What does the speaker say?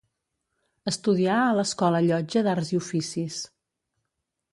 Estudià a l’Escola Llotja d’Arts i Oficis.